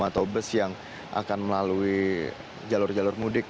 atau bus yang akan melalui jalur jalur mudik